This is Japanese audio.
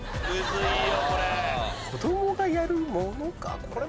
子供がやるものか？